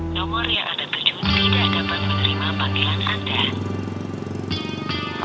nomor yang ada berjumpa tidak dapat menerima panggilan anda